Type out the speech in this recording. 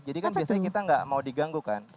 jadi kan biasanya kita gak mau diganggu kan